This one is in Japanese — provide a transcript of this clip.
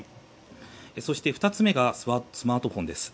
そして２つ目がスマートフォンです。